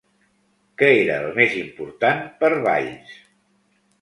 Què era el més important per Valls?